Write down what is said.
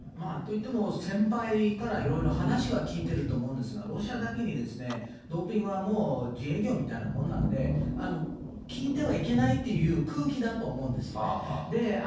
といっても、先輩からいろいろ話は聞いてると思うんですが、ロシアだけに、ドーピングはもう自営業みたいなもんなんで、聞いてはいけないという空気だと思うんですよね。